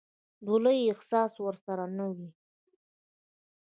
د لويي احساس ورسره نه وي.